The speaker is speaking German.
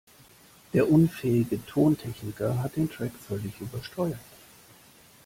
Der unfähige Tontechniker hat den Track völlig übersteuert.